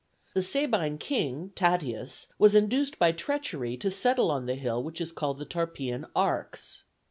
The Sabine king, Tatius, was induced by treachery to settle on the hill which is called the Tarpeian arx.